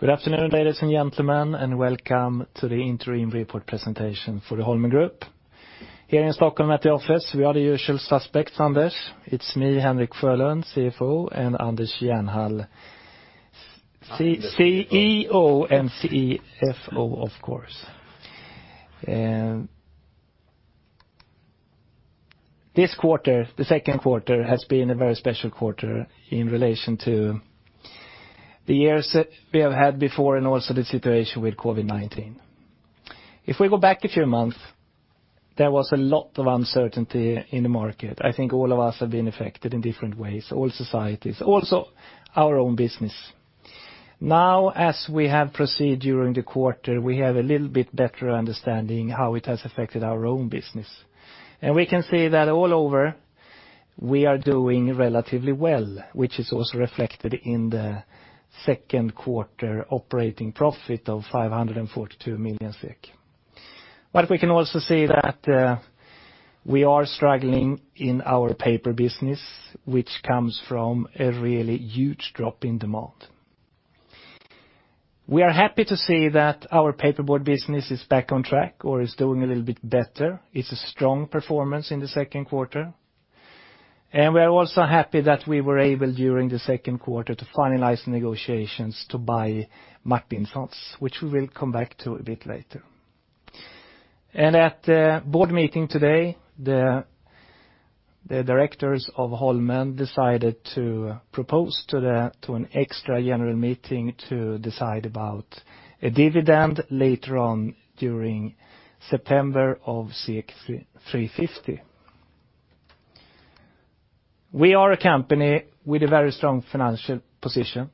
Good afternoon, ladies and gentlemen, and welcome to the interim report presentation for the Holmen Group. Here in Stockholm at the office, we are the usual suspects, Anders. It's me, Henrik Sjölund, CEO, and Anders Jernhall, CFO, of course. This quarter, the second quarter, has been a very special quarter in relation to the years we have had before and also the situation with COVID-19. If we go back a few months, there was a lot of uncertainty in the market. I think all of us have been affected in different ways, all societies, also our own business. Now, as we have proceeded during the quarter, we have a little bit better understanding of how it has affected our own business, and we can see that all over we are doing relatively well, which is also reflected in the second quarter operating profit of 542 million SEK. We can also see that we are struggling in our paper business, which comes from a really huge drop in demand. We are happy to see that our paperboard business is back on track or is doing a little bit better. It's a strong performance in the second quarter. We are also happy that we were able, during the second quarter, to finalize negotiations to buy Martinsons, which we will come back to a bit later. At the board meeting today, the directors of Holmen decided to propose to an Extra General Meeting to decide about a dividend of SEK 3.50 later on during September. We are a company with a very strong financial position.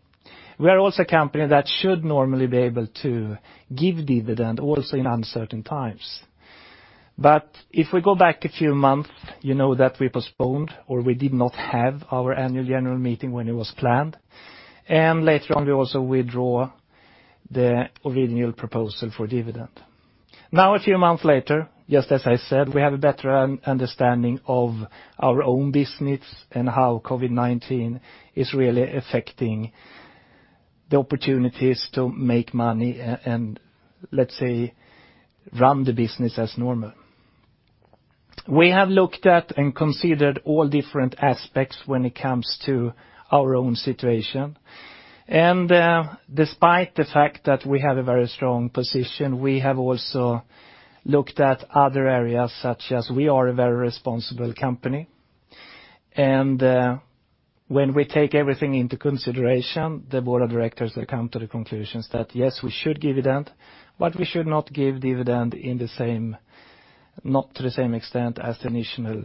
We are also a company that should normally be able to give dividend also in uncertain times. But if we go back a few months, you know that we postponed or we did not have our Annual General Meeting when it was planned. And later on, we also withdrew the original proposal for dividend. Now, a few months later, just as I said, we have a better understanding of our own business and how COVID-19 is really affecting the opportunities to make money and, let's say, run the business as normal. We have looked at and considered all different aspects when it comes to our own situation. And despite the fact that we have a very strong position, we have also looked at other areas such as we are a very responsible company. When we take everything into consideration, the Board of Directors have come to the conclusion that, yes, we should give dividend, but we should not give dividend in the same, not to the same extent as the initial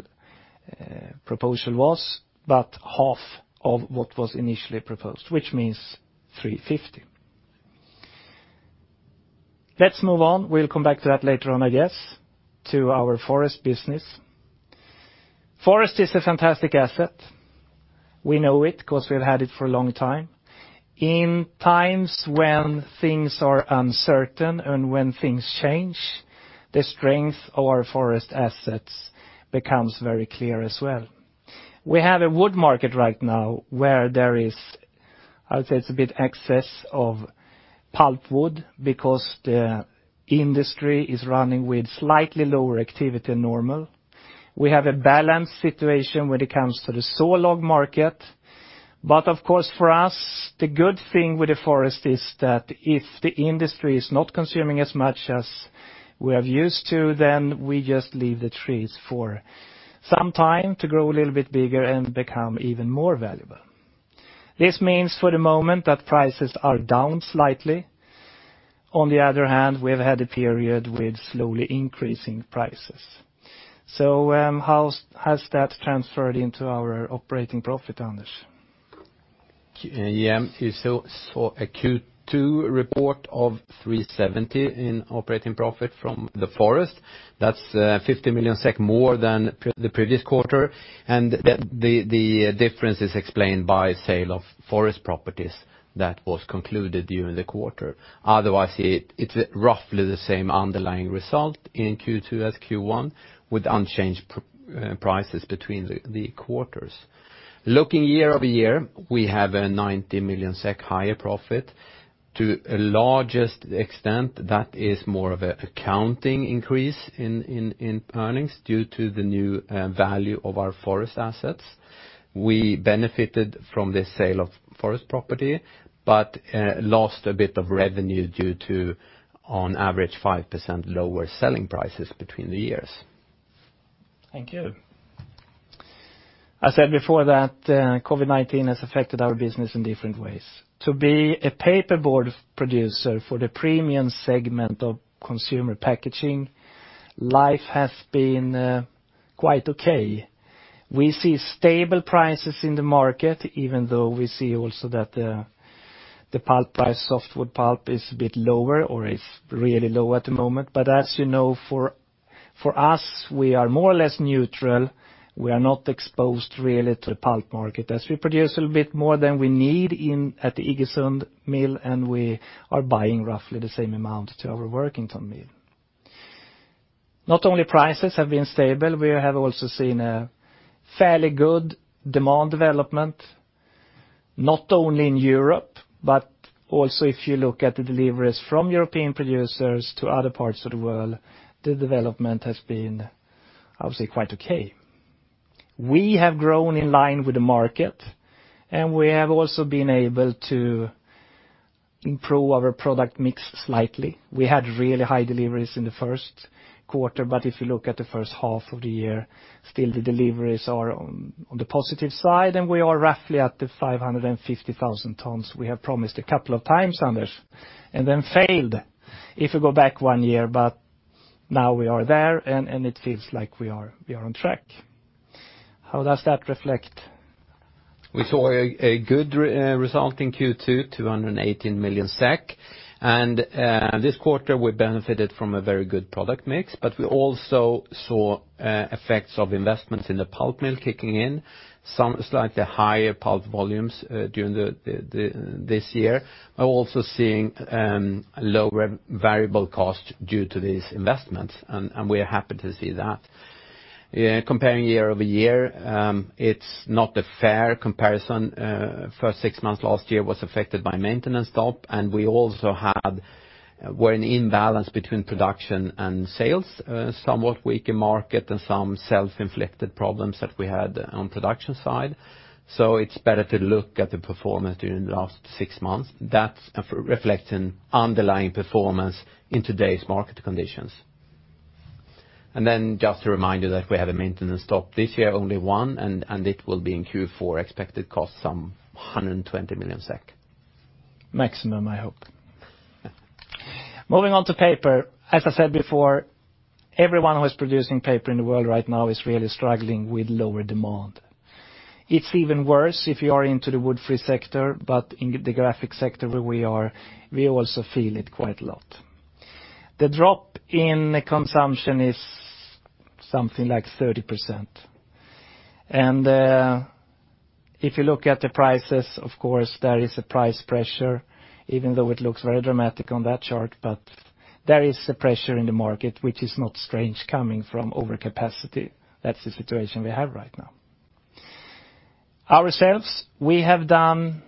proposal was, but half of what was initially proposed, which means 3.50. Let's move on. We'll come back to that later on, I guess, to our forest business. Forest is a fantastic asset. We know it because we've had it for a long time. In times when things are uncertain and when things change, the strength of our forest assets becomes very clear as well. We have a wood market right now where there is, I would say it's a bit excess of pulpwood because the industry is running with slightly lower activity than normal. We have a balanced situation when it comes to the sawlog market. But of course, for us, the good thing with the forest is that if the industry is not consuming as much as we are used to, then we just leave the trees for some time to grow a little bit bigger and become even more valuable. This means for the moment that prices are down slightly. On the other hand, we have had a period with slowly increasing prices. So how has that transferred into our operating profit, Anders? Yeah, you saw a Q2 report of 370 in operating profit from the forest. That's 50 million SEK more than the previous quarter. And the difference is explained by sale of forest properties that was concluded during the quarter. Otherwise, it's roughly the same underlying result in Q2 as Q1 with unchanged prices between the quarters. Looking year-over-year, we have a 90 million SEK higher profit to a largest extent. That is more of an accounting increase in earnings due to the new value of our forest assets. We benefited from the sale of forest property, but lost a bit of revenue due to, on average, 5% lower selling prices between the years. Thank you. I said before that COVID-19 has affected our business in different ways. To be a paperboard producer for the premium segment of consumer packaging, life has been quite okay. We see stable prices in the market, even though we see also that the pulp price, softwood pulp, is a bit lower or is really low at the moment. But as you know, for us, we are more or less neutral. We are not exposed really to the pulp market. As we produce a little bit more than we need at the Iggesund Mill, and we are buying roughly the same amount to our Workington Mill. Not only prices have been stable, we have also seen a fairly good demand development, not only in Europe, but also if you look at the deliveries from European producers to other parts of the world, the development has been, I would say, quite okay. We have grown in line with the market, and we have also been able to improve our product mix slightly. We had really high deliveries in the first quarter, but if you look at the first half of the year, still the deliveries are on the positive side, and we are roughly at the 550,000 tons we have promised a couple of times, Anders, and then failed if we go back one year. But now we are there, and it feels like we are on track. How does that reflect? We saw a good result in Q2, 218 million SEK. And this quarter, we benefited from a very good product mix, but we also saw effects of investments in the pulp mill kicking in, slightly higher pulp volumes during this year. We're also seeing lower variable costs due to these investments, and we are happy to see that. Comparing year-over-year, it's not a fair comparison. The first six months last year were affected by maintenance stop, and we also had an imbalance between production and sales, somewhat weak in market and some self-inflicted problems that we had on the production side. So it's better to look at the performance during the last six months. That reflects an underlying performance in today's market conditions. Then just to remind you that we have a maintenance stop this year, only one, and it will be in Q4, expected costs some 120 million SEK. Maximum, I hope. Moving on to paper. As I said before, everyone who is producing paper in the world right now is really struggling with lower demand. It's even worse if you are into the wood-free sector, but in the graphic sector where we are, we also feel it quite a lot. The drop in consumption is something like 30%, and if you look at the prices, of course, there is a price pressure, even though it looks very dramatic on that chart, but there is a pressure in the market, which is not strange coming from overcapacity. That's the situation we have right now. Ourselves, we have done;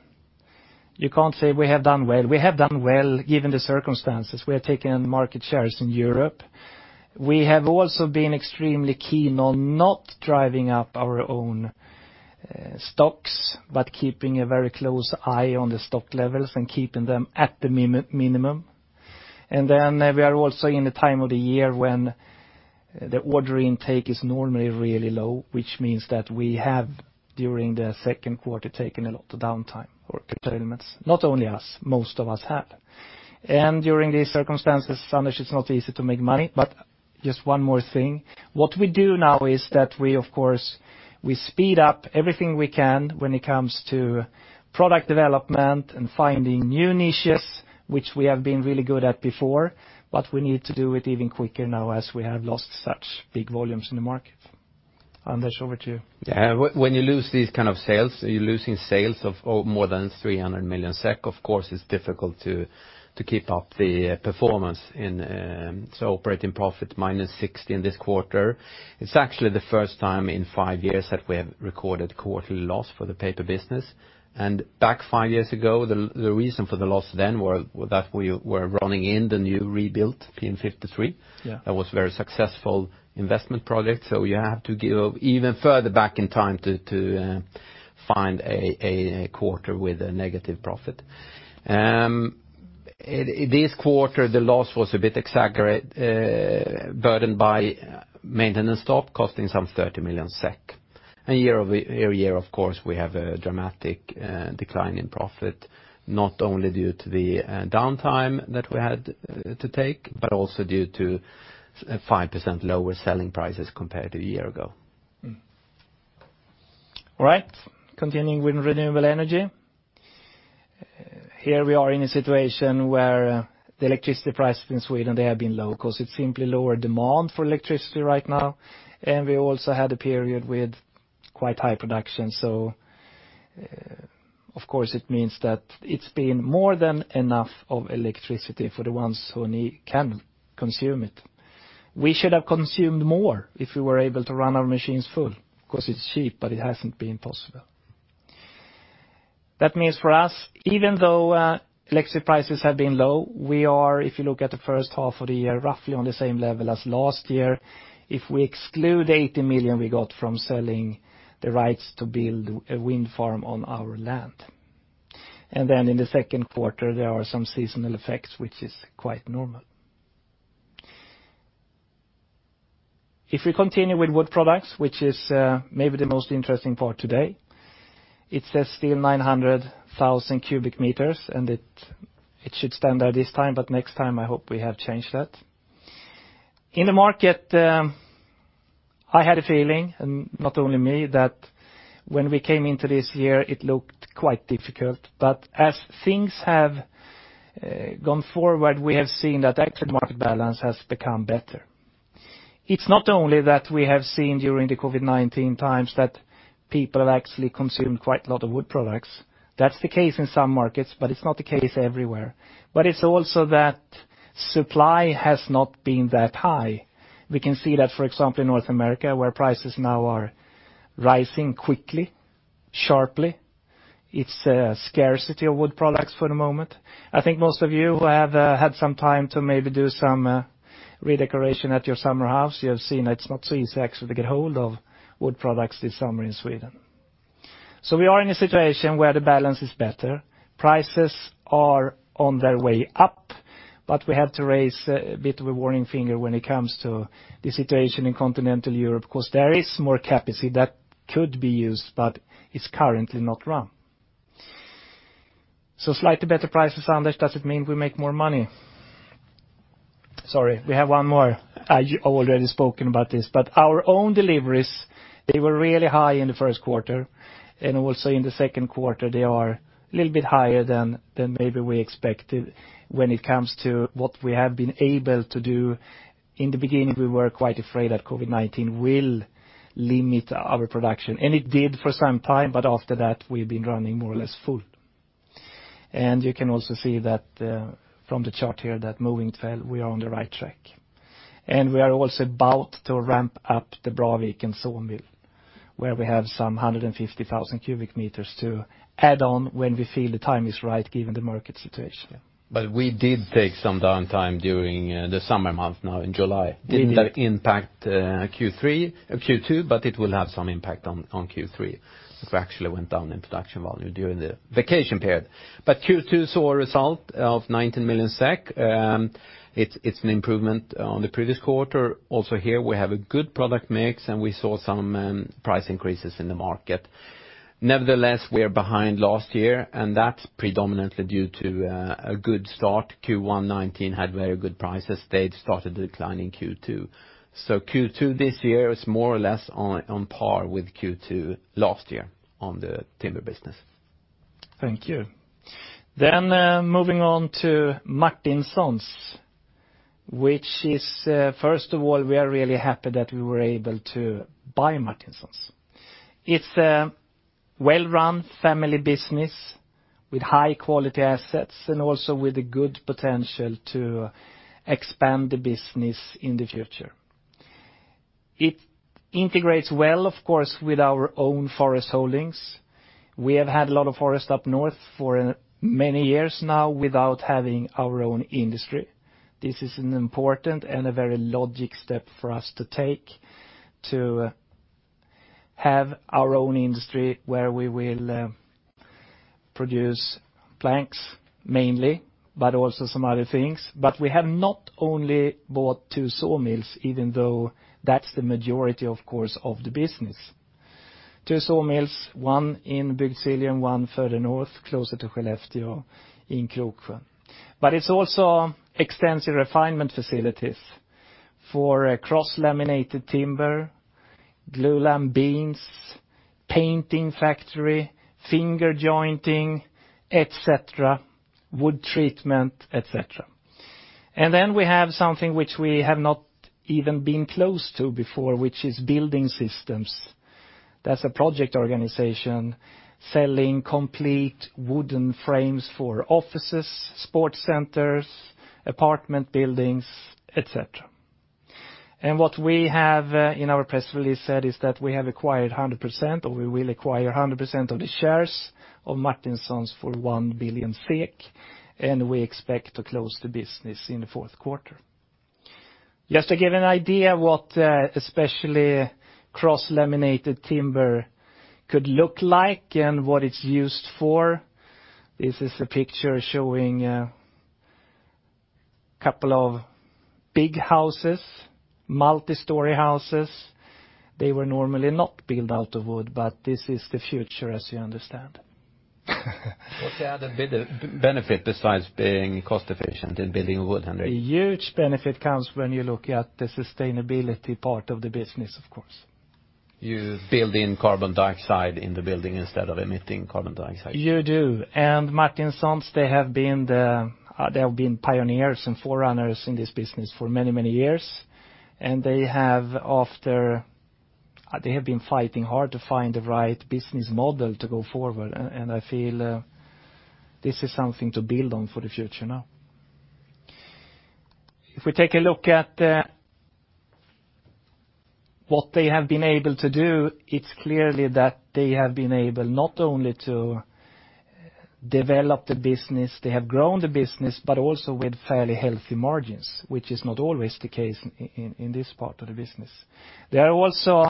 you can't say we have done well. We have done well given the circumstances. We have taken market shares in Europe. We have also been extremely keen on not driving up our own stocks, but keeping a very close eye on the stock levels and keeping them at the minimum, and then we are also in the time of the year when the order intake is normally really low, which means that we have during the second quarter taken a lot of downtime or curtailments. Not only us, most of us have, and during these circumstances, Anders, it's not easy to make money, but just one more thing. What we do now is that we, of course, we speed up everything we can when it comes to product development and finding new niches, which we have been really good at before, but we need to do it even quicker now as we have lost such big volumes in the market. Anders, over to you. Yeah, when you lose these kinds of sales, you're losing sales of more than 300 million SEK. Of course, it's difficult to keep up the performance. Operating profit minus 60 in this quarter. It's actually the first time in five years that we have recorded quarterly loss for the paper business. Back five years ago, the reason for the loss then was that we were running in the new rebuilt PM53. That was a very successful investment project. You have to go even further back in time to find a quarter with a negative profit. This quarter, the loss was a bit exaggerated, burdened by maintenance stop costing some 30 million SEK. Year-over-year, of course, we have a dramatic decline in profit, not only due to the downtime that we had to take, but also due to 5% lower selling prices compared to a year ago. All right, continuing with renewable energy. Here we are in a situation where the electricity prices in Sweden, they have been low because it's simply lower demand for electricity right now. And we also had a period with quite high production. So, of course, it means that it's been more than enough of electricity for the ones who can consume it. We should have consumed more if we were able to run our machines full because it's cheap, but it hasn't been possible. That means for us, even though electricity prices have been low, we are, if you look at the first half of the year, roughly on the same level as last year if we exclude the 80 million we got from selling the rights to build a wind farm on our land. And then in the second quarter, there are some seasonal effects, which is quite normal. If we continue with wood products, which is maybe the most interesting part today, it says still 900,000 cubic meters, and it should stand there this time, but next time I hope we have changed that. In the market, I had a feeling, and not only me, that when we came into this year, it looked quite difficult. But as things have gone forward, we have seen that the export market balance has become better. It's not only that we have seen during the COVID-19 times that people have actually consumed quite a lot of wood products. That's the case in some markets, but it's not the case everywhere. But it's also that supply has not been that high. We can see that, for example, in North America, where prices now are rising quickly, sharply. It's a scarcity of wood products for the moment. I think most of you have had some time to maybe do some redecoration at your summer house. You have seen it's not so easy actually to get hold of wood products this summer in Sweden. So we are in a situation where the balance is better. Prices are on their way up, but we have to raise a bit of a warning finger when it comes to the situation in continental Europe because there is more capacity that could be used, but it's currently not run. So slightly better prices, Anders, does it mean we make more money? Sorry, we have one more. I've already spoken about this, but our own deliveries, they were really high in the first quarter, and also in the second quarter, they are a little bit higher than maybe we expected when it comes to what we have been able to do. In the beginning, we were quite afraid that COVID-19 will limit our production, and it did for some time, but after that, we've been running more or less full. You can also see that from the chart here that moving 12, we are on the right track. We are also about to ramp up the Braviken Sawmill, where we have some 150,000 cubic meters to add on when we feel the time is right given the market situation. But we did take some downtime during the summer months now in July. Didn't that impact Q2, but it will have some impact on Q3. We actually went down in production volume during the vacation period. But Q2 saw a result of 19 million SEK. It's an improvement on the previous quarter. Also here, we have a good product mix, and we saw some price increases in the market. Nevertheless, we are behind last year, and that's predominantly due to a good start. Q1 2019 had very good prices. They started declining Q2. So Q2 this year is more or less on par with Q2 last year on the timber business. Thank you. Then moving on to Martinsons, which is, first of all, we are really happy that we were able to buy Martinsons. It's a well-run family business with high-quality assets and also with a good potential to expand the business in the future. It integrates well, of course, with our own forest holdings. We have had a lot of forest up north for many years now without having our own industry. This is an important and a very logical step for us to take to have our own industry where we will produce planks mainly, but also some other things. But we have not only bought two sawmills, even though that's the majority, of course, of the business. Two sawmills, one in Bygdsiljum, one further north, closer to Skellefteå in Kroksjön. But it's also extensive refinement facilities for cross-laminated timber, glulam beams, painting factory, finger jointing, etc., wood treatment, etc. And then we have something which we have not even been close to before, which is building systems. That's a project organization selling complete wooden frames for offices, sports centers, apartment buildings, etc. And what we have in our press release said is that we have acquired 100% or we will acquire 100% of the shares of Martinsons for 1 billion SEK, and we expect to close the business in the fourth quarter. Just to give an idea of what especially cross-laminated timber could look like and what it's used for, this is a picture showing a couple of big houses, multi-story houses. They were normally not built out of wood, but this is the future, as you understand. What's the other benefit besides being cost-efficient in building with wood, Henrik? A huge benefit comes when you look at the sustainability part of the business, of course. You build in carbon dioxide in the building instead of emitting carbon dioxide. You do. And Martinsons, they have been the pioneers and forerunners in this business for many, many years. And they have been fighting hard to find the right business model to go forward. And I feel this is something to build on for the future now. If we take a look at what they have been able to do, it's clearly that they have been able not only to develop the business, they have grown the business, but also with fairly healthy margins, which is not always the case in this part of the business. They are also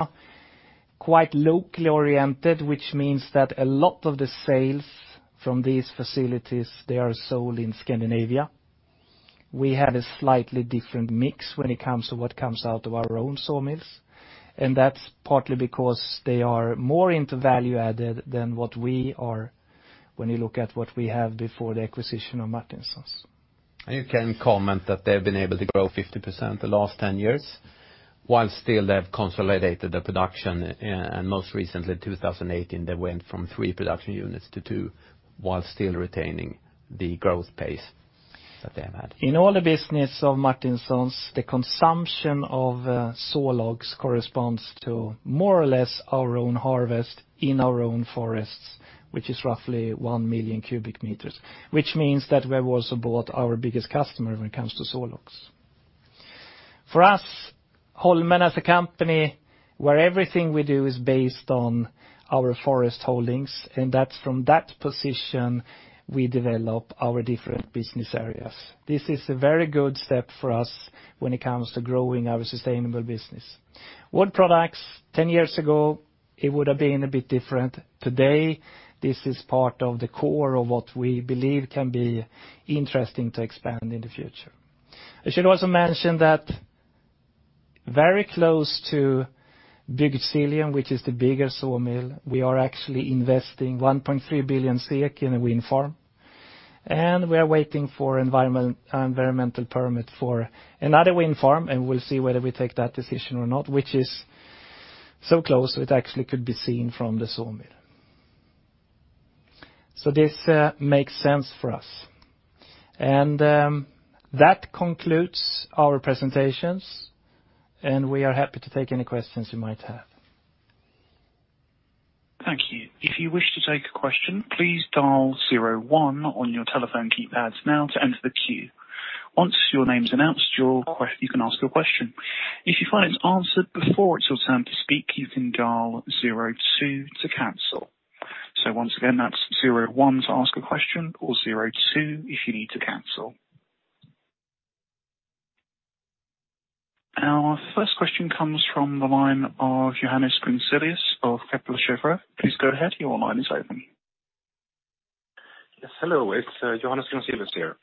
quite locally oriented, which means that a lot of the sales from these facilities, they are sold in Scandinavia. We have a slightly different mix when it comes to what comes out of our own sawmills. That's partly because they are more into value added than what we are when you look at what we had before the acquisition of Martinsons. You can comment that they have been able to grow 50% the last 10 years while still they have consolidated the production. Most recently, 2018, they went from three production units to two while still retaining the growth pace that they have had. In all the business of Martinsons, the consumption of sawlogs corresponds to more or less our own harvest in our own forests, which is roughly 1 million cubic meters, which means that we have also bought our biggest customer when it comes to sawlogs. For us, Holmen as a company where everything we do is based on our forest holdings, and that's from that position we develop our different business areas. This is a very good step for us when it comes to growing our sustainable business. Wood products, 10 years ago, it would have been a bit different. Today, this is part of the core of what we believe can be interesting to expand in the future. I should also mention that very close to Bygdsiljum, which is the biggest sawmill, we are actually investing 1.3 billion in a wind farm. We are waiting for an environmental permit for another wind farm, and we'll see whether we take that decision or not, which is so close it actually could be seen from the sawmill. This makes sense for us. That concludes our presentations, and we are happy to take any questions you might have. Thank you. If you wish to take a question, please dial 01 on your telephone keypads now to enter the queue. Once your name is announced, you can ask your question. If you find it's answered before it's your turn to speak, you can dial 02 to cancel. So once again, that's 01 to ask a question or 02 if you need to cancel. Our first question comes from the line of Johannes Grunselius of Kepler Cheuvreux. Please go ahead. Your line is open. Yes, hello. It's Johannes Grunselius here.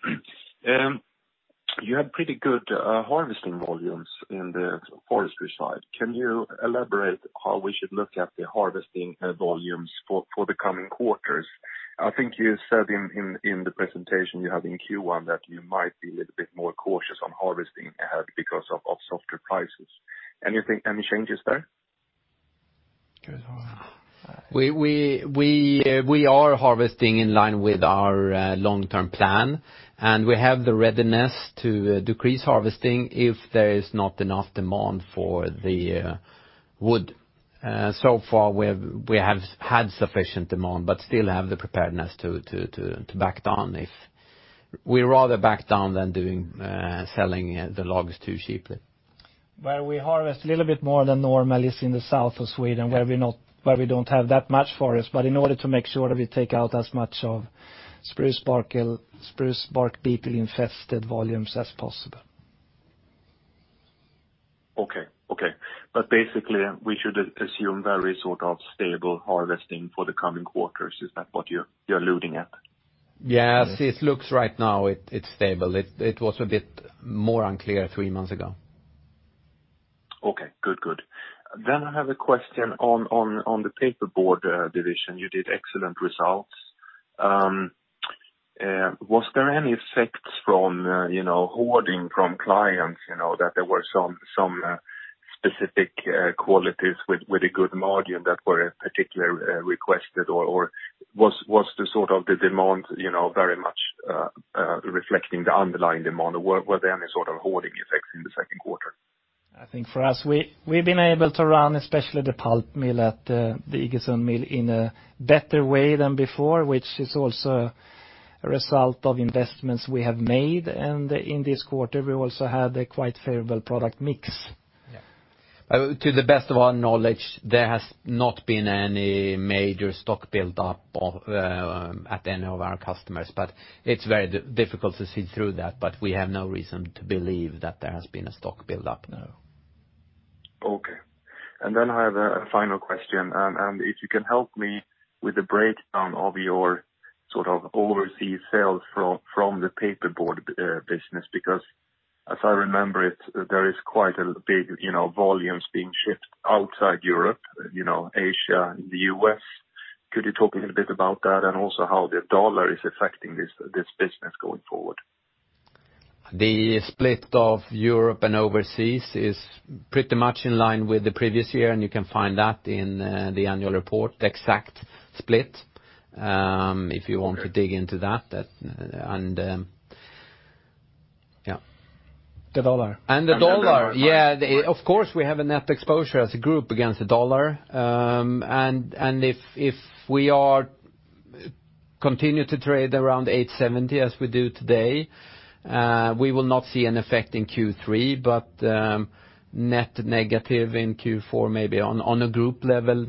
You have pretty good harvesting volumes in the forestry side. Can you elaborate how we should look at the harvesting volumes for the coming quarters? I think you said in the presentation you have in Q1 that you might be a little bit more cautious on harvesting ahead because of softer prices. Any changes there? We are harvesting in line with our long-term plan, and we have the readiness to decrease harvesting if there is not enough demand for the wood. So far, we have had sufficient demand, but still have the preparedness to back down if we rather back down than selling the logs too cheaply. Where we harvest a little bit more than normal is in the south of Sweden where we don't have that much forest, but in order to make sure that we take out as much of spruce bark beetle-infested volumes as possible. Okay, okay, but basically, we should assume very sort of stable harvesting for the coming quarters. Is that what you're alluding at? Yes, it looks right now it's stable. It was a bit more unclear three months ago. Okay, good, good. Then I have a question on the paperboard division. You did excellent results. Was there any effects from hoarding from clients that there were some specific qualities with a good margin that were particularly requested? Or was the sort of the demand very much reflecting the underlying demand? Were there any sort of hoarding effects in the second quarter? I think for us, we've been able to run, especially the pulp mill at the Iggesund Mill, in a better way than before, which is also a result of investments we have made. And in this quarter, we also had a quite favorable product mix. To the best of our knowledge, there has not been any major stock buildup at any of our customers, but it's very difficult to see through that, but we have no reason to believe that there has been a stock buildup. Okay. And then I have a final question. And if you can help me with the breakdown of your sort of overseas sales from the paperboard business, because as I remember it, there is quite a big volume being shipped outside Europe, Asia, the U.S. Could you talk a little bit about that and also how the dollar is affecting this business going forward? The split of Europe and overseas is pretty much in line with the previous year, and you can find that in the annual report, the exact split, if you want to dig into that. And yeah. The dollar. And the dollar, yeah. Of course, we have a net exposure as a group against the dollar. And if we continue to trade around 8.70 as we do today, we will not see an effect in Q3, but net negative in Q4 maybe on a group level,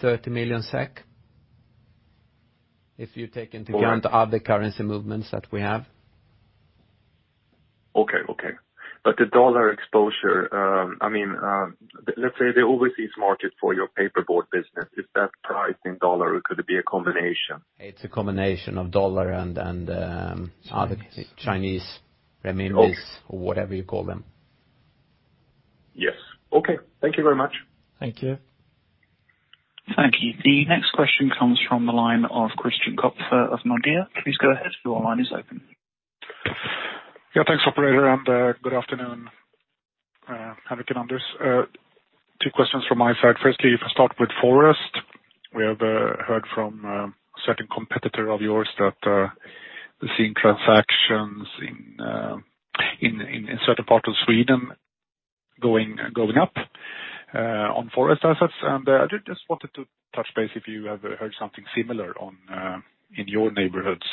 30 million SEK, if you take into account other currency movements that we have. Okay, okay. But the dollar exposure, I mean, let's say the overseas market for your paperboard business, is that priced in dollar or could it be a combination? It's a combination of dollar and other Chinese renminbi or whatever you call them. Yes. Okay. Thank you very much. Thank you. Thank you. The next question comes from the line of Christian Kopfer of Nordea. Please go ahead while the line is open. Yeah, thanks, operator, and good afternoon, Henrik Sjölund. Two questions from my side. Firstly, if I start with forest, we have heard from a certain competitor of yours that we've seen transactions in a certain part of Sweden going up on forest assets. And I just wanted to touch base if you have heard something similar in your neighborhoods,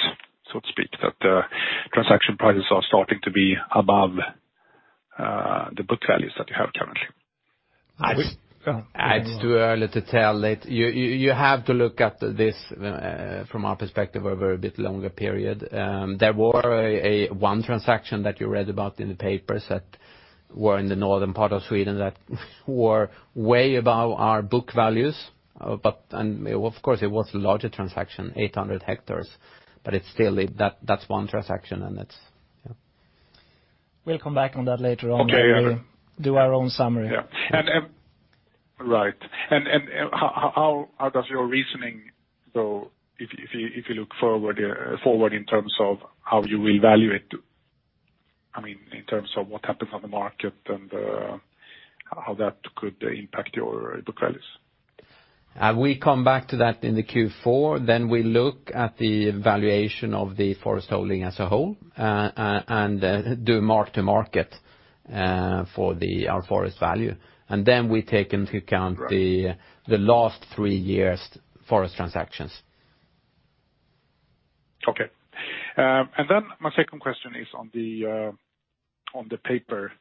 so to speak, that transaction prices are starting to be above the book values that you have currently. Adds to a little tale. You have to look at this from our perspective over a bit longer period. There was one transaction that you read about in the papers. That was in the northern part of Sweden that was way above our book values. And of course, it was a larger transaction, 800 hectares, but still, that's one transaction. And that's. We'll come back on that later on when we do our own summary. Yeah. And. Right. And how does your reasoning go if you look forward in terms of how you will value it, I mean, in terms of what happens on the market and how that could impact your book values? We come back to that in the Q4, then we look at the valuation of the forest holding as a whole and do mark-to-market for our forest value, and then we take into account the last three years' forest transactions. Okay. And then my second question is on the paper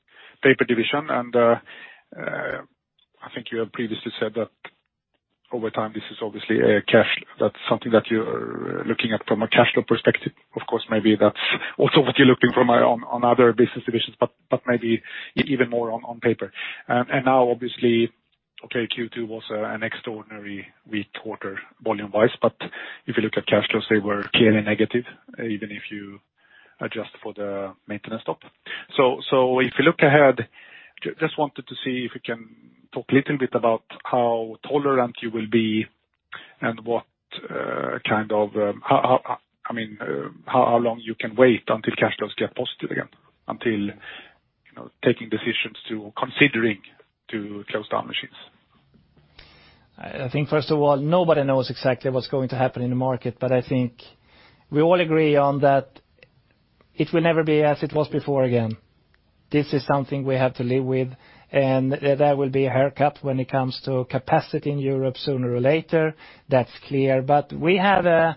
division. And I think you have previously said that over time, this is obviously a cash cow that's something that you're looking at from a cash flow perspective. Of course, maybe that's also what you're looking for on other business divisions, but maybe even more on paper. And now, obviously, okay, Q2 was an extraordinarily weak quarter volume-wise, but if you look at cash flows, they were clearly negative, even if you adjust for the maintenance stop. So if you look ahead, just wanted to see if you can talk a little bit about how tolerant you will be and what kind of, I mean, how long you can wait until cash flows get positive again, until taking decisions to considering to close down machines. I think, first of all, nobody knows exactly what's going to happen in the market, but I think we all agree on that it will never be as it was before again. This is something we have to live with. And there will be a haircut when it comes to capacity in Europe sooner or later. That's clear. But we have a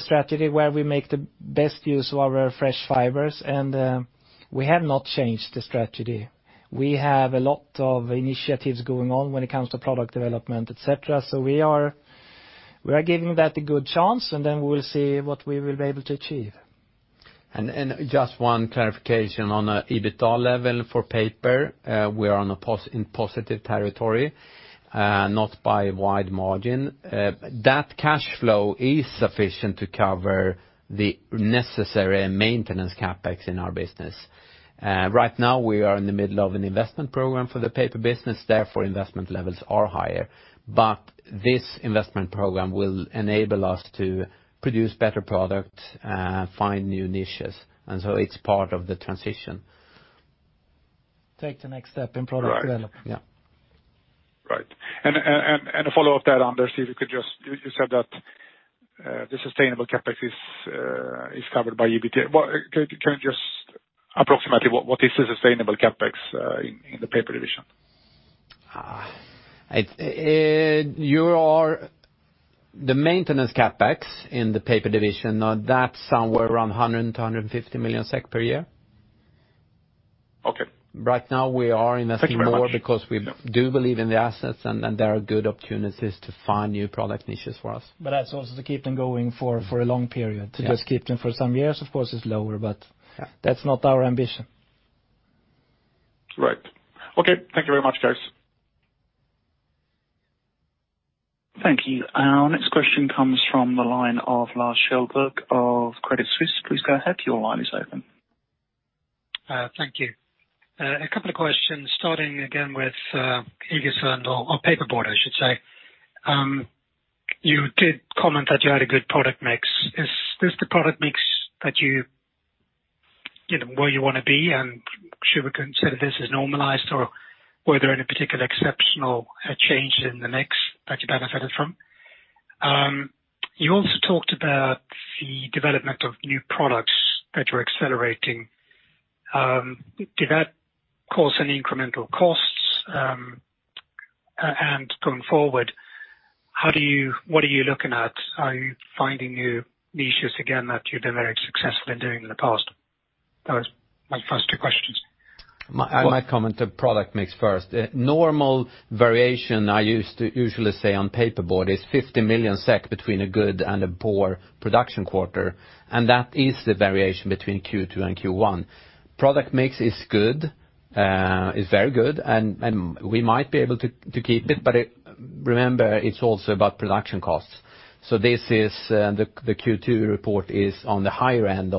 strategy where we make the best use of our fresh fibers, and we have not changed the strategy. We have a lot of initiatives going on when it comes to product development, etc. So we are giving that a good chance, and then we will see what we will be able to achieve. And just one clarification on the EBITDA level for paper. We are in positive territory, not by a wide margin. That cash flow is sufficient to cover the necessary maintenance CapEx in our business. Right now, we are in the middle of an investment program for the paper business. Therefore, investment levels are higher. But this investment program will enable us to produce better products, find new niches. And so it's part of the transition. Take the next step in product development. Right. Yeah. Right. And a follow-up there, Anders, if you could just, you said that the sustainable CapEx is covered by EBITDA. Can you just approximately what is the sustainable CapEx in the paper division? You are the maintenance CapEx in the paper division, that's somewhere around 100 million-150 million SEK per year. Okay. Right now, we are investing more because we do believe in the assets, and there are good opportunities to find new product niches for us. But that's also to keep them going for a long period. To just keep them for some years, of course, is lower, but that's not our ambition. Right. Okay. Thank you very much, guys. Thank you. Our next question comes from the line of Lars Kjellberg of Credit Suisse. Please go ahead. Your line is open. Thank you. A couple of questions starting again with Iggesund or paperboard, I should say. You did comment that you had a good product mix. Is this the product mix that you're where you want to be? And should we consider this as normalized or were there any particular exceptional changes in the mix that you benefited from? You also talked about the development of new products that you're accelerating. Did that cause any incremental costs? And going forward, what are you looking at? Are you finding new niches again that you've been very successful in doing in the past? That was my first two questions. I might comment on product mix first. Normal variation, I used to usually say on paperboard, is 50 million SEK between a good and a poor production quarter, and that is the variation between Q2 and Q1. Product mix is good. It's very good, and we might be able to keep it, but remember, it's also about production costs, so the Q2 report is on the higher end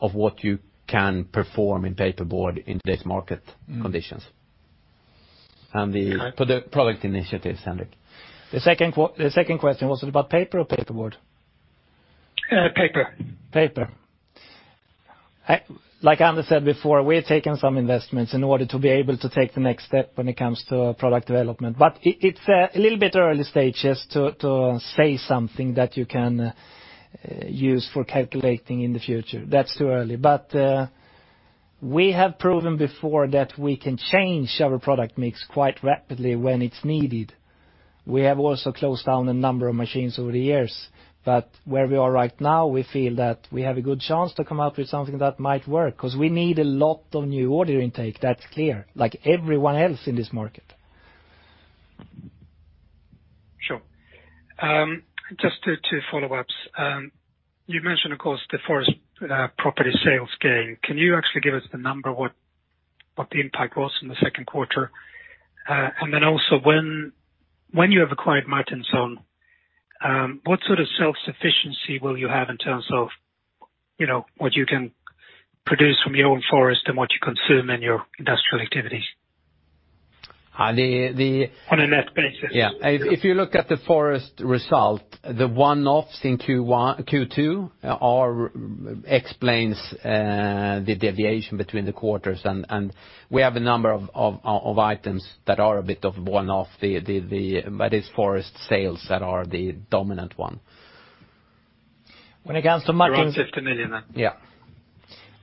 of what you can perform in paperboard in today's market conditions, and the product initiatives, Henrik. The second question was about paper or paperboard? Paper. Paper. Like Anders said before, we're taking some investments in order to be able to take the next step when it comes to product development. But it's a little bit early stages to say something that you can use for calculating in the future. That's too early. But we have proven before that we can change our product mix quite rapidly when it's needed. We have also closed down a number of machines over the years. But where we are right now, we feel that we have a good chance to come out with something that might work because we need a lot of new order intake. That's clear, like everyone else in this market. Sure. Just two follow-ups. You mentioned, of course, the forest property sales gain. Can you actually give us the number, what the impact was in the second quarter? And then also, when you have acquired Martinsons, what sort of self-sufficiency will you have in terms of what you can produce from your own forest and what you consume in your industrial activities? On a net basis. Yeah. If you look at the forest result, the one-offs in Q2 explains the deviation between the quarters. And we have a number of items that are a bit of one-off, but it's forest sales that are the dominant one. When it comes to Martinsons. Around SEK 50 million then. Yeah.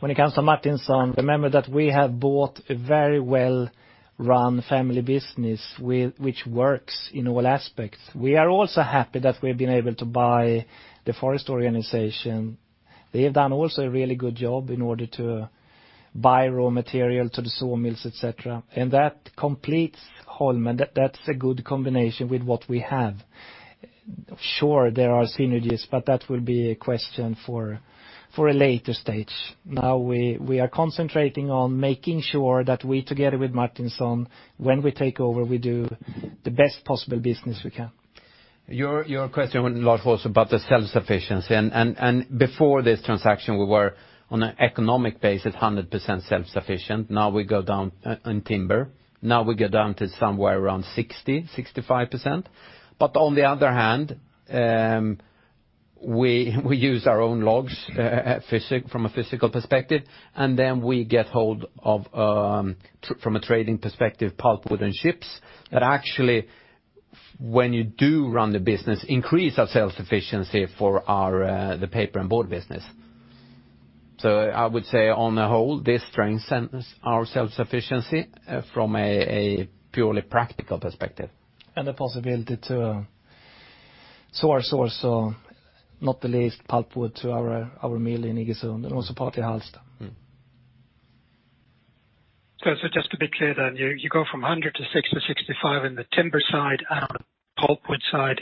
When it comes to Martinsons, remember that we have bought a very well-run family business which works in all aspects. We are also happy that we have been able to buy the forest organization. They have done also a really good job in order to buy raw material to the sawmills, etc. And that completes Holmen. That's a good combination with what we have. Sure, there are synergies, but that will be a question for a later stage. Now, we are concentrating on making sure that we, together with Martinsons, when we take over, we do the best possible business we can. Your question was a lot about the self-sufficiency, and before this transaction, we were on an economic basis, 100% self-sufficient. Now we go down in timber. Now we go down to somewhere around 60%-65%. But on the other hand, we use our own logs from a physical perspective. And then we get hold of, from a trading perspective, pulp wood and ships that actually, when you do run the business, increase our self-sufficiency for the paper and board business. So I would say, on the whole, this strengthens our self-sufficiency from a purely practical perspective. And the possibility to source also not the least pulpwood to our mill in Iggesund and also partly Hallsta. So just to be clear then, you go from 100 to 60-65 in the timber side and on the pulp wood side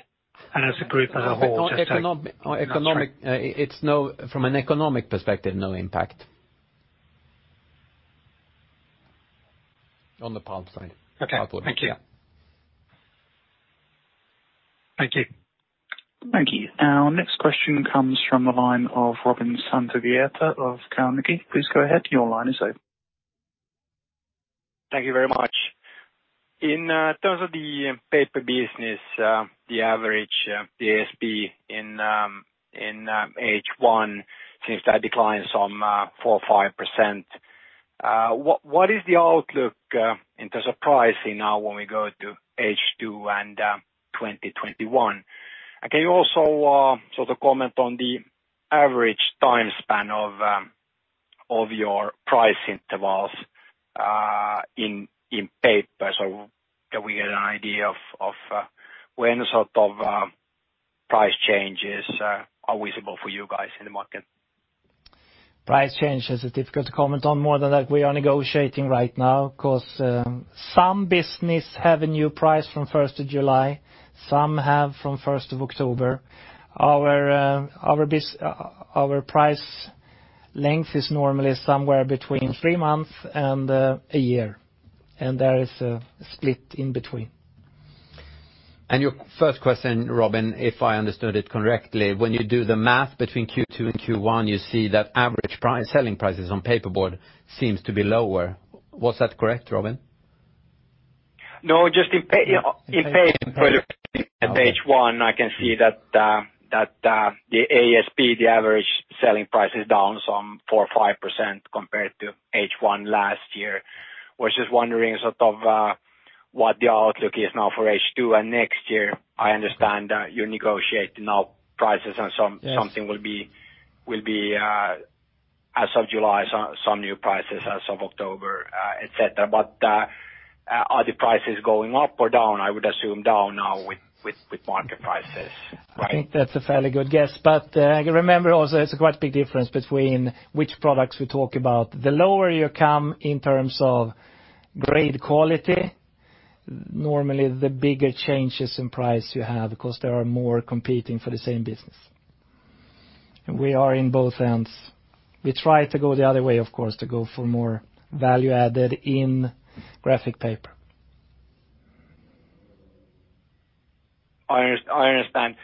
and as a group as a whole. It's from an economic perspective, no impact. On the pulp side. Okay. Thank you. Thank you. Our next question comes from the line of Robin Santavirta of Carnegie. Please go ahead. Your line is open. Thank you very much. In terms of the paper business, the average, the ASP in H1 seems to have declined some 4%-5%. What is the outlook in terms of pricing now when we go to H2 and 2021? And can you also sort of comment on the average time span of your price intervals in paper so that we get an idea of when sort of price changes are visible for you guys in the market? Price change is a difficult comment on. More than that, we are negotiating right now because some businesses have a new price from 1st of July. Some have from 1st of October. Our price length is normally somewhere between three months and a year, and there is a split in between. Your first question, Robin, if I understood it correctly, when you do the math between Q2 and Q1, you see that average selling prices on paperboard seem to be lower. Was that correct, Robin? No, just in paperboard. In paperboard at H1, I can see that the ASP, the average selling price is down some 4%-5% compared to H1 last year. I was just wondering sort of what the outlook is now for H2 and next year. I understand that you negotiate now prices and something will be, as of July, some new prices as of October, etc. But are the prices going up or down? I would assume down now with market prices. I think that's a fairly good guess. But remember also, it's a quite big difference between which products we talk about. The lower you come in terms of grade quality, normally the bigger changes in price you have because there are more competing for the same business. And we are in both ends. We try to go the other way, of course, to go for more value added in graphic paper. I understand.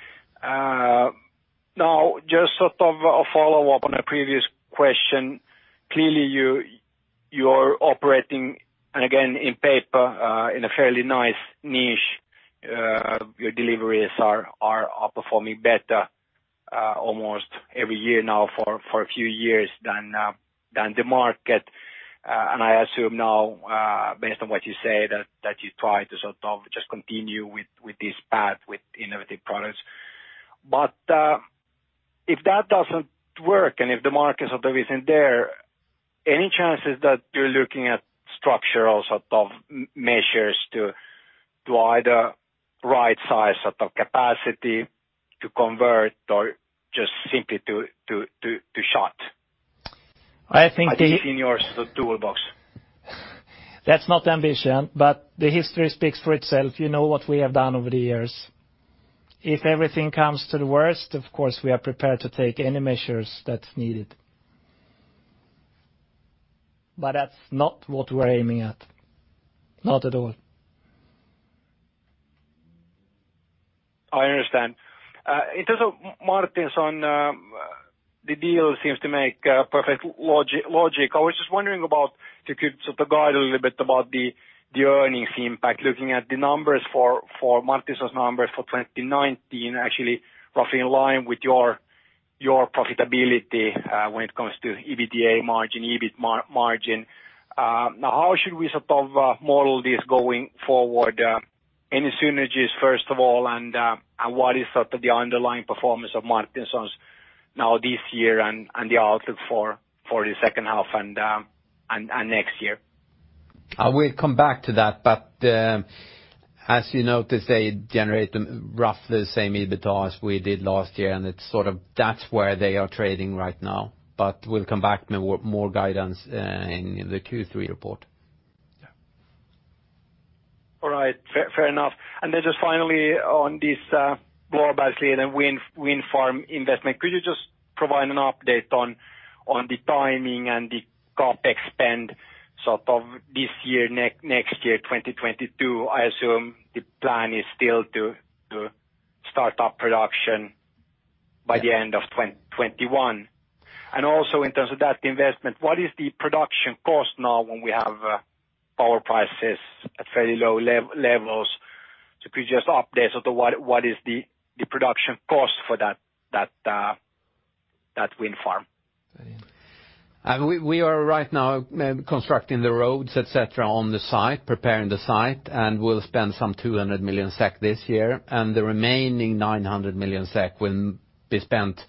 Now, just sort of a follow-up on a previous question. Clearly, you are operating, and again, in paper in a fairly nice niche. Your deliveries are performing better almost every year now for a few years than the market. And I assume now, based on what you say, that you try to sort of just continue with this path with innovative products. But if that doesn't work and if the market sort of isn't there, any chances that you're looking at structural sort of measures to either right size sort of capacity to convert or just simply to shut? I think the. In your toolbox? That's not the ambition, but the history speaks for itself. You know what we have done over the years. If everything comes to the worst, of course, we are prepared to take any measures that's needed. But that's not what we're aiming at. Not at all. I understand. In terms of Martinsons, the deal seems to make perfect logic. I was just wondering if you could sort of guide a little bit about the earnings impact, looking at the numbers for Martinsons' numbers for 2019, actually roughly in line with your profitability when it comes to EBITDA margin, EBIT margin. Now, how should we sort of model this going forward? Any synergies, first of all, and what is sort of the underlying performance of Martinsons' now this year and the outlook for the second half and next year? We'll come back to that. But as you noticed, they generate roughly the same EBITDA as we did last year. And it's sort of that's where they are trading right now. But we'll come back with more guidance in the Q3 report. Yeah. All right. Fair enough. And then just finally, on this Blåbergsliden basically in a wind farm investment, could you just provide an update on the timing and the CapEx spend sort of this year, next year, 2022? I assume the plan is still to start up production by the end of 2021. And also in terms of that investment, what is the production cost now when we have power prices at fairly low levels? So could you just update sort of what is the production cost for that wind farm? We are right now constructing the roads, etc., on the site, preparing the site. We'll spend some 200 million SEK this year. The remaining 900 million SEK will be spent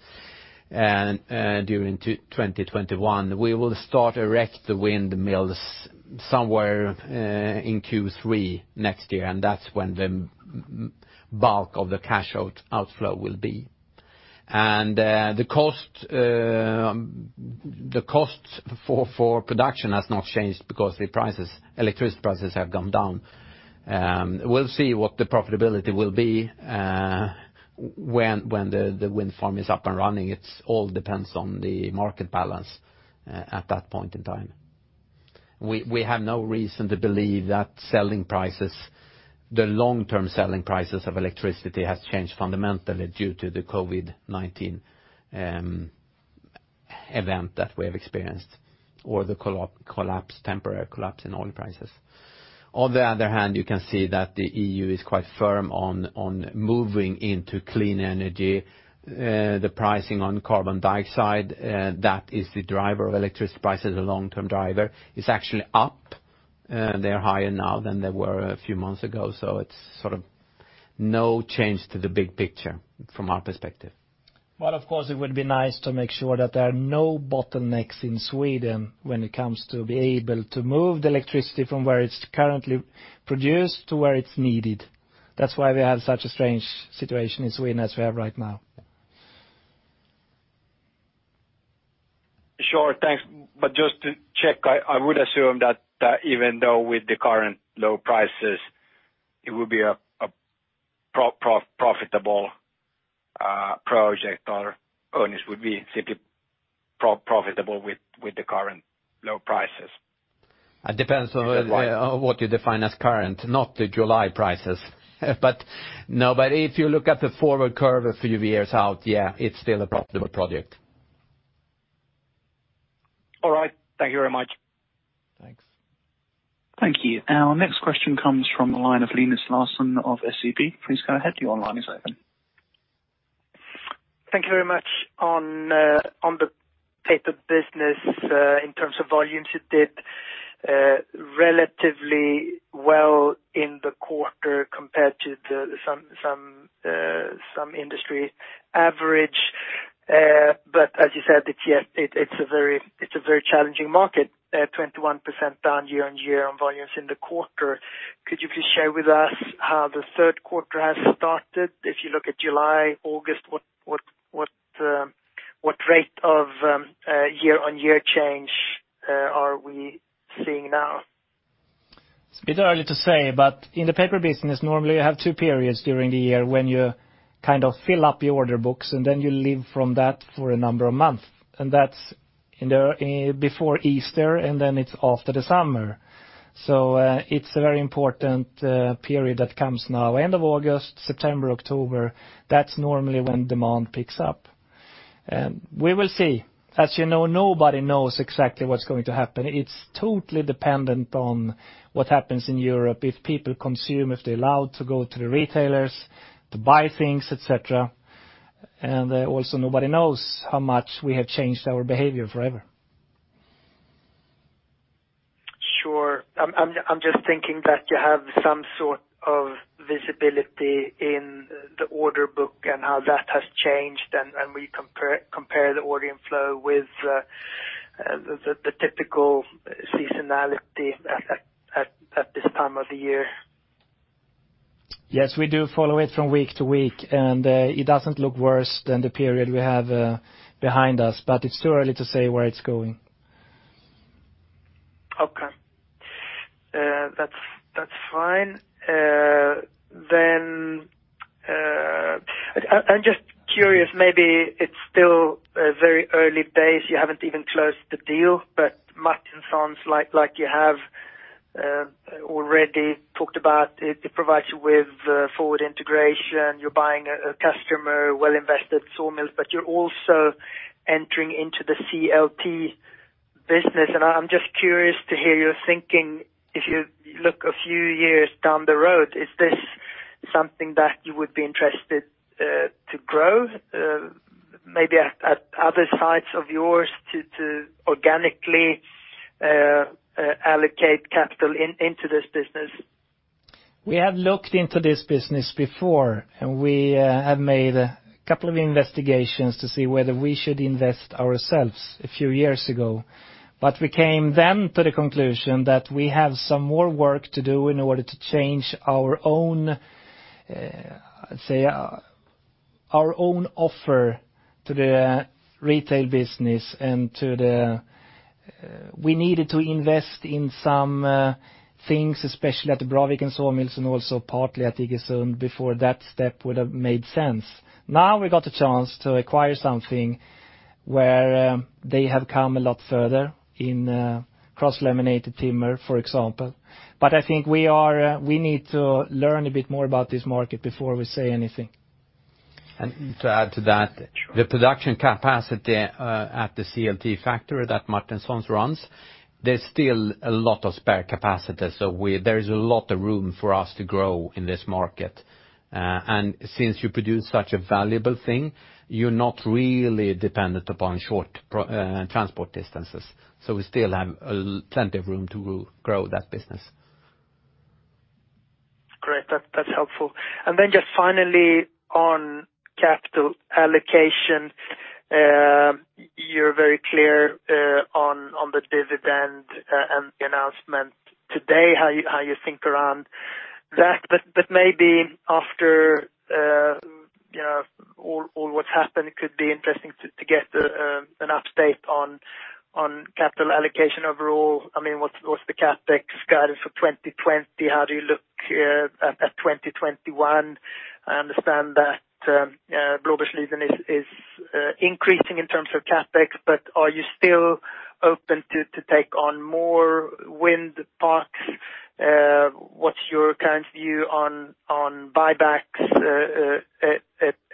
during 2021. We will start to erect the windmills somewhere in Q3 next year. That's when the bulk of the cash outflow will be. The cost for production has not changed because the electricity prices have gone down. We'll see what the profitability will be when the wind farm is up and running. It all depends on the market balance at that point in time. We have no reason to believe that the long-term selling prices of electricity have changed fundamentally due to the COVID-19 event that we have experienced or the temporary collapse in oil prices. On the other hand, you can see that the EU is quite firm on moving into clean energy. The pricing on carbon dioxide, that is the driver of electricity prices, a long-term driver. It's actually up. They're higher now than they were a few months ago. So it's sort of no change to the big picture from our perspective. But of course, it would be nice to make sure that there are no bottlenecks in Sweden when it comes to being able to move the electricity from where it's currently produced to where it's needed. That's why we have such a strange situation in Sweden as we have right now. Sure. Thanks. But just to check, I would assume that even though with the current low prices, it would be a profitable project or earnings would be simply profitable with the current low prices? It depends on what you define as current, not the July prices, but if you look at the forward curve a few years out, yeah, it's still a profitable project. All right. Thank you very much. Thanks. Thank you. Our next question comes from the line of Linus Larsson of SEB. Please go ahead. Your line is open. Thank you very much. On the paper business, in terms of volumes, it did relatively well in the quarter compared to some industry average. But as you said, it's a very challenging market, 21% down year-on-year on volumes in the quarter. Could you please share with us how the third quarter has started? If you look at July, August, what rate of year on year change are we seeing now? It's a bit early to say, but in the paper business, normally you have two periods during the year when you kind of fill up your order books, and then you live from that for a number of months. And that's before Easter, and then it's after the summer. So it's a very important period that comes now, end of August, September, October. That's normally when demand picks up. And we will see. As you know, nobody knows exactly what's going to happen. It's totally dependent on what happens in Europe, if people consume, if they're allowed to go to the retailers to buy things, etc. And also, nobody knows how much we have changed our behavior forever. Sure. I'm just thinking that you have some sort of visibility in the order book and how that has changed when we compare the ordering flow with the typical seasonality at this time of the year. Yes, we do follow it from week to week. And it doesn't look worse than the period we have behind us. But it's too early to say where it's going. Okay. That's fine. Then I'm just curious, maybe it's still a very early base. You haven't even closed the deal, but Martinsons, like you have already talked about, it provides you with forward integration. You're buying a customer, well-invested sawmills, but you're also entering into the CLT business. And I'm just curious to hear your thinking. If you look a few years down the road, is this something that you would be interested to grow, maybe at other sites of yours to organically allocate capital into this business? We have looked into this business before, and we have made a couple of investigations to see whether we should invest ourselves a few years ago. But we came then to the conclusion that we have some more work to do in order to change our own, I'd say, our own offer to the retail business. And we needed to invest in some things, especially at the Braviken sawmills and also partly at Iggesund before that step would have made sense. Now we got a chance to acquire something where they have come a lot further in cross-laminated timber, for example. But I think we need to learn a bit more about this market before we say anything. And to add to that, the production capacity at the CLT factory that Martinsons runs, there's still a lot of spare capacity. So there is a lot of room for us to grow in this market. And since you produce such a valuable thing, you're not really dependent upon short transport distances. So we still have plenty of room to grow that business. Great. That's helpful. And then just finally on capital allocation, you're very clear on the dividend and the announcement today, how you think around that. But maybe after all what's happened, it could be interesting to get an update on capital allocation overall. I mean, what's the CapEx guidance for 2020? How do you look at 2021? I understand that Blåbergsliden is increasing in terms of CapEx, but are you still open to take on more wind farms? What's your current view on buybacks,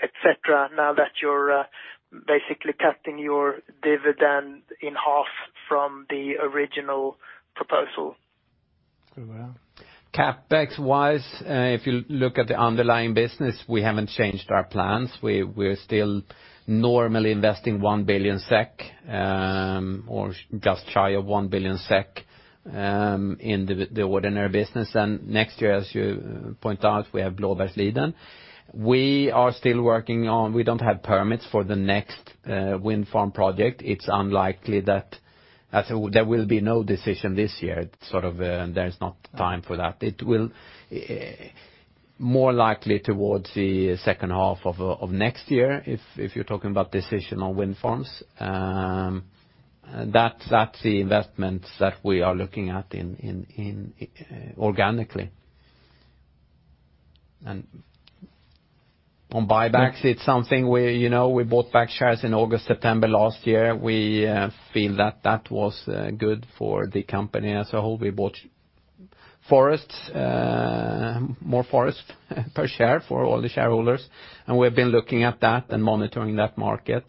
etc., now that you're basically cutting your dividend in half from the original proposal? CapEx-wise, if you look at the underlying business, we haven't changed our plans. We're still normally investing 1 billion SEK or just shy of 1 billion SEK in the ordinary business. Next year, as you point out, we have Blåbergsliden. We are still working on. We don't have permits for the next wind farm project. It's unlikely that there will be no decision this year. Sort of there's not time for that. It will be more likely towards the second half of next year if you're talking about decision on wind farms. That's the investment that we are looking at organically. On buybacks, it's something we bought back shares in August, September last year. We feel that that was good for the company as a whole. We bought more forest per share for all the shareholders. We've been looking at that and monitoring that market.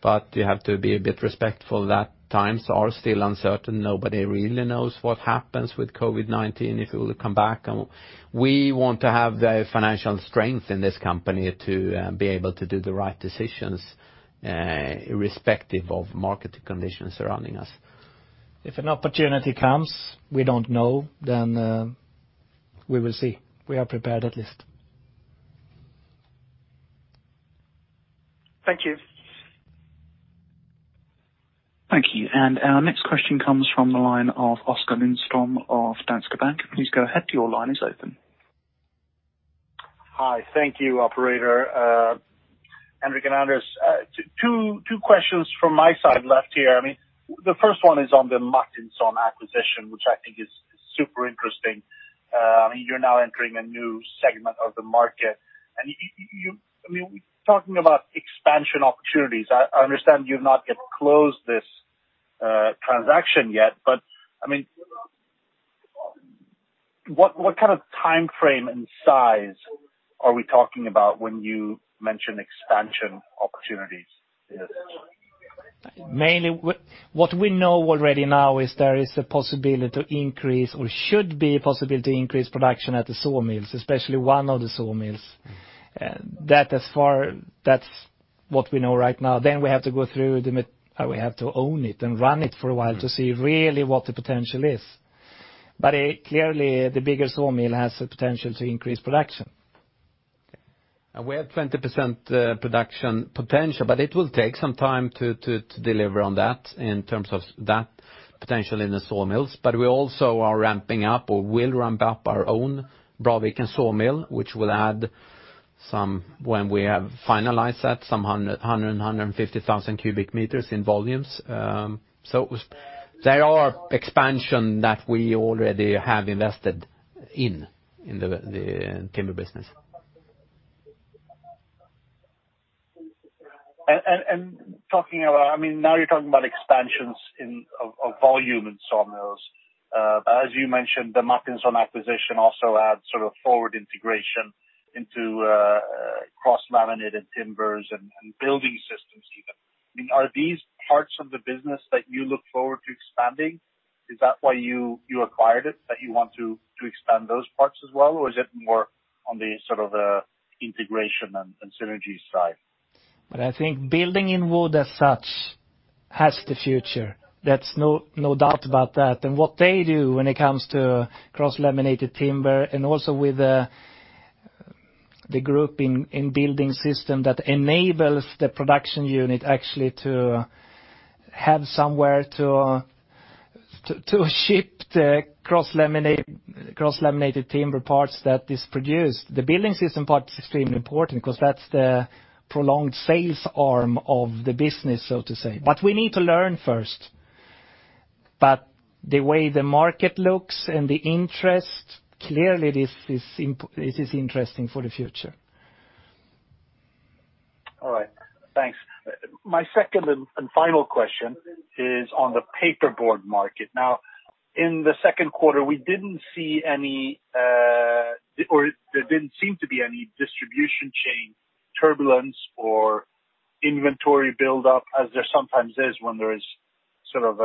But you have to be a bit respectful. That times are still uncertain. Nobody really knows what happens with COVID-19, if it will come back. We want to have the financial strength in this company to be able to do the right decisions irrespective of market conditions surrounding us. If an opportunity comes, we don't know, then we will see. We are prepared at least. Thank you. Thank you. And our next question comes from the line of Oskar Lindström of Danske Bank. Please go ahead. Your line is open. Hi. Thank you, operator. Henrik and Anders, two questions from my side left here. I mean, the first one is on the Martinsons acquisition, which I think is super interesting. I mean, you're now entering a new segment of the market, and I mean, talking about expansion opportunities, I understand you've not yet closed this transaction yet, but I mean, what kind of timeframe and size are we talking about when you mention expansion opportunities? Mainly, what we know already now is there is a possibility to increase or should be a possibility to increase production at the sawmills, especially one of the sawmills. That's what we know right now. Then we have to go through. We have to own it and run it for a while to see really what the potential is. But clearly, the bigger sawmill has the potential to increase production. We have 20% production potential, but it will take some time to deliver on that in terms of that potential in the sawmills. But we also are ramping up or will ramp up our own Braviken sawmill, which will add some when we have finalized that, some 100,000-150,000 cubic meters in volumes. So there are expansions that we already have invested in the timber business. Talking about, I mean, now you're talking about expansions of volume in sawmills. As you mentioned, the Martinsons acquisition also adds sort of forward integration into cross-laminated timbers and building systems even. I mean, are these parts of the business that you look forward to expanding? Is that why you acquired it, that you want to expand those parts as well? Or is it more on the sort of integration and synergy side? But I think building in wood as such has the future. There's no doubt about that. And what they do when it comes to cross-laminated timber and also with the group in building system that enables the production unit actually to have somewhere to ship the cross-laminated timber parts that is produced. The building system part is extremely important because that's the prolonged sales arm of the business, so to say. But we need to learn first. But the way the market looks and the interest, clearly this is interesting for the future. All right. Thanks. My second and final question is on the paperboard market. Now, in the second quarter, we didn't see any or there didn't seem to be any distribution chain turbulence or inventory buildup as there sometimes is when there is sort of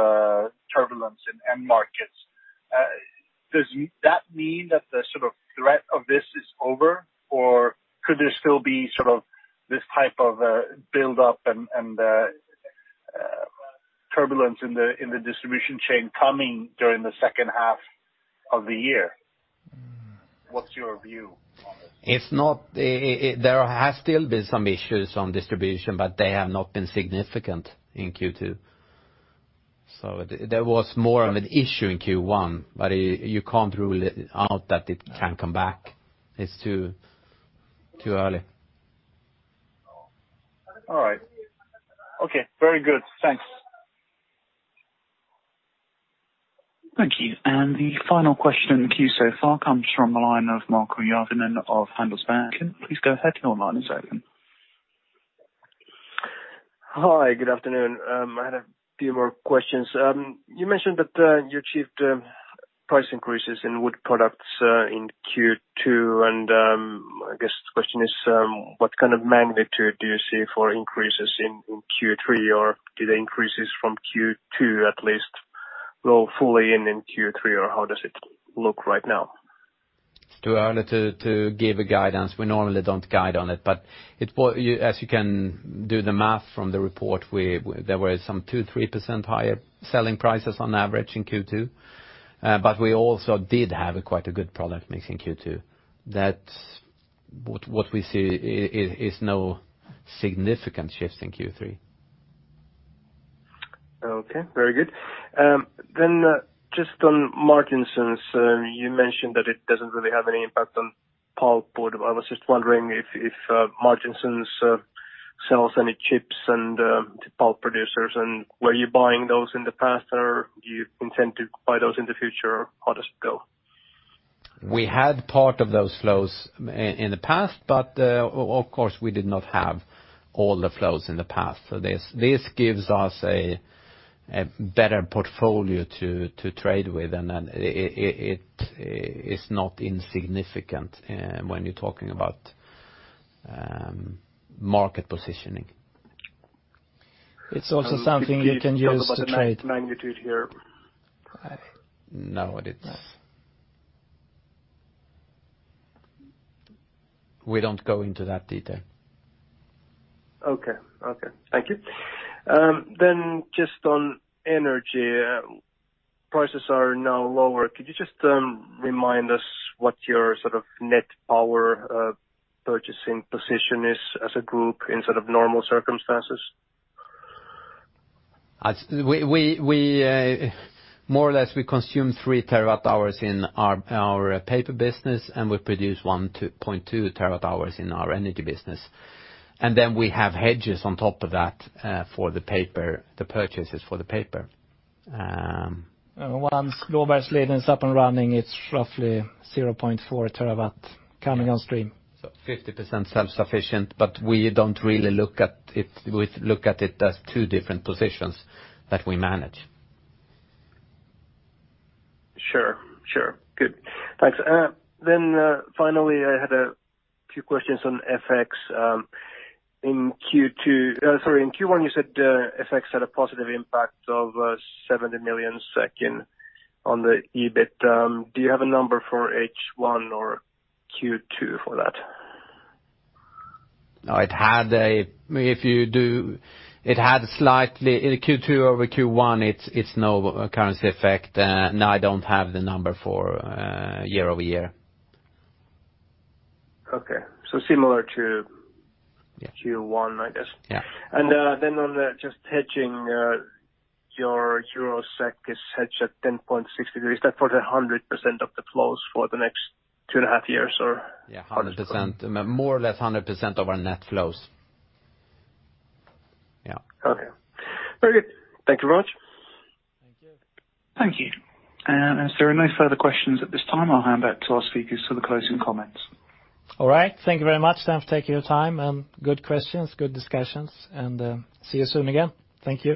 turbulence in end markets. Does that mean that the sort of threat of this is over, or could there still be sort of this type of buildup and turbulence in the distribution chain coming during the second half of the year? What's your view on this? There has still been some issues on distribution, but they have not been significant in Q2, so there was more of an issue in Q1, but you can't rule out that it can come back. It's too early. All right. Okay. Very good. Thanks. Thank you. And the final question to you so far comes from the line of Markku Järvinen of Handelsbanken. Please go ahead. Your line is open. Hi. Good afternoon. I had a few more questions. You mentioned that you achieved price increases in wood products in Q2, and I guess the question is, what kind of magnitude do you see for increases in Q3, or do the increases from Q2 at least go fully in Q3, or how does it look right now? To be honest, to give a guidance, we normally don't guide on it. But as you can do the math from the report, there were some 2-3% higher selling prices on average in Q2. But we also did have quite a good product mix in Q2. That's what we see is no significant shift in Q3. Okay. Very good. Then just on Martinsons, you mentioned that it doesn't really have any impact on pulp, but I was just wondering if Martinsons sells any chips and pulp producers, and were you buying those in the past, or do you intend to buy those in the future, or how does it go? We had part of those flows in the past, but of course, we did not have all the flows in the past. So this gives us a better portfolio to trade with, and it is not insignificant when you're talking about market positioning. It's also something you can use to trade. Magnitude here. No, we don't go into that detail. Okay. Okay. Thank you. Then just on energy, prices are now lower. Could you just remind us what your sort of net power purchasing position is as a group in sort of normal circumstances? More or less, we consume three terawatt hours in our paper business, and we produce 1.2 terawatt hours in our energy business. And then we have hedges on top of that for the paper, the purchases for the paper. Once Blåbergsliden is up and running, it's roughly 0.4 TWh coming on stream. So 50% self-sufficient, but we don't really look at it. We look at it as two different positions that we manage. Sure. Sure. Good. Thanks. Then finally, I had a few questions on FX. In Q2, sorry, in Q1, you said FX had a positive impact of 70 million on the EBIT. Do you have a number for H1 or Q2 for that? No, it had slightly in Q2 over Q1. It's no currency effect. And I don't have the number for year-over-year. Okay. So similar to Q1, I guess. Yeah. And then on just hedging, your EUR/SEK is hedged at 10.60. Is that for the 100% of the flows for the next two and a half years or? Yeah, 100%. More or less 100% of our net flows. Yeah. Okay. Very good. Thank you very much. Thank you. Thank you, and if there are no further questions at this time, I'll hand back to our speakers for the closing comments. All right. Thank you very much. Thanks for taking your time. And good questions, good discussions. And see you soon again. Thank you.